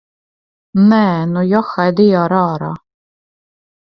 Nē, nu, johaidī ar ārā!